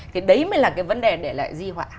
thì đấy mới là cái vấn đề để lại di họa